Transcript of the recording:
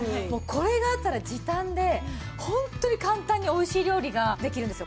これがあったら時短でホントに簡単においしい料理ができるんですよ。